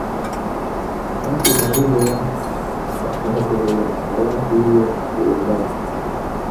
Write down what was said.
Ọ sị na nwunye ya kọkwàzịịrị ya ka ya bụ ihe siri mee.